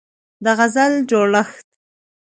د غزل جوړښت